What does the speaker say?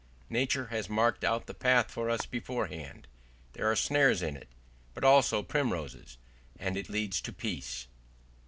Nature has marked out the path for us beforehand; there are snares in it, but also primroses, and it leads to peace.